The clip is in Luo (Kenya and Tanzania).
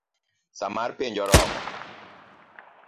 Saa mar penj oromo